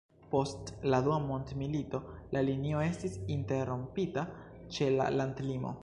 Post la Dua Mondmilito la linio estis interrompita ĉe la landlimo.